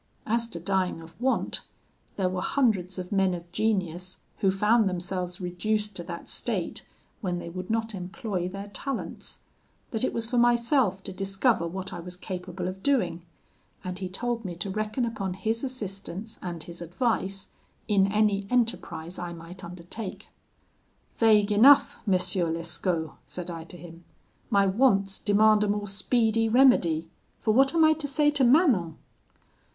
As to dying of want, there were hundreds of men of genius who found themselves reduced to that state when they would not employ their talents; that it was for myself to discover what I was capable of doing, and he told me to reckon upon his assistance and his advice in any enterprise I might undertake. "'Vague enough, M. Lescaut!' said I to him: 'my wants demand a more speedy remedy; for what am I to say to Manon?'